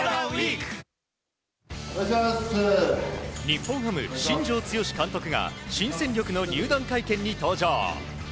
日本ハムの新庄剛志監督が新戦力の入団会見に登場。